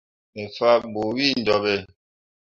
Me faa ɓu wǝ jooɓǝ.